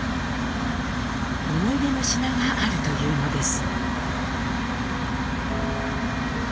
思い出の品があるというのです。